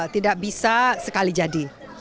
tidak bisa sekali jadi